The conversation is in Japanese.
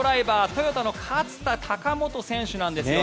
トヨタの勝田貴元選手なんです。